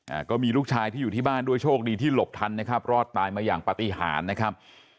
อ่าก็มีลูกชายที่อยู่ที่บ้านด้วยโชคดีที่หลบทันนะครับรอดตายมาอย่างปฏิหารนะครับ